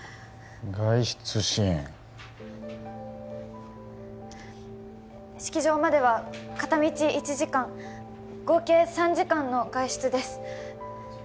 外出支援式場までは片道１時間合計３時間の外出です